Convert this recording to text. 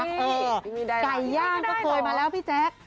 ไก่ย่างก็เคยมาแล้วพี่แจ๊ค